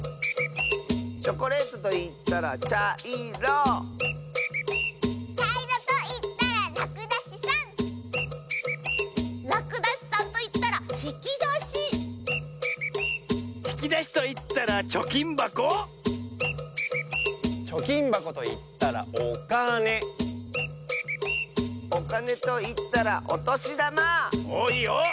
チョコレートといったらちゃいろちゃいろといったららくだしさんらくだしさんといったらひきだしひきだしといったらちょきんばこちょきんばこといったらおかねおかねといったらおとしだまおっいいよ。